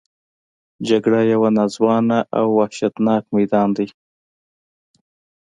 جګړه یو ناځوانه او وحشتناک میدان دی